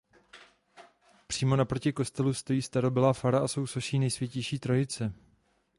Přímo naproti kostelu stojí starobylá fara a sousoší nejsvětější trojice.